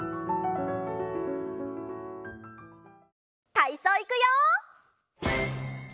たいそういくよ！